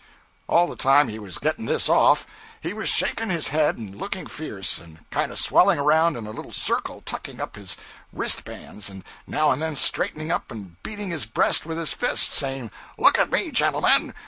All the time he was getting this off, he was shaking his head and looking fierce, and kind of swelling around in a little circle, tucking up his wrist bands, and now and then straightening up and beating his breast with his fist, saying, 'Look at me, gentlemen!'